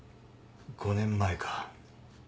５年前か。